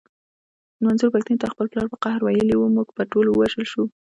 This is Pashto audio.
منظور پښتين ته خپل پلار په قهر ويلي و مونږ به ټول ووژل شو.